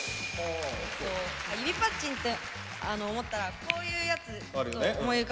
指パッチンって思ったらこういうやつを思い浮かぶじゃないですか。